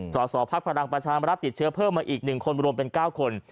สอสอภักดิ์พลังประชามารับติดเชื้อเพิ่มมาอีกหนึ่งคนรวมเป็นเก้าคน